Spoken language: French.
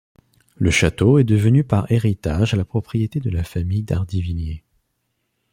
Le château est devenu par héritage la propriété de la famille d'Hardivilliers.